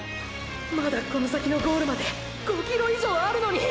まだこの先のゴールまで５ｋｍ以上あるのに！！